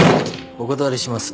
お断りします。